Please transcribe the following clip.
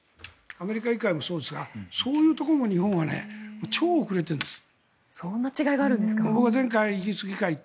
アメリカ議会もそうですがそういうところも日本は超遅れてるんです。